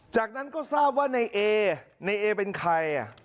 จากนั้นก็ทราบว่าในเอในเอเป็นใคร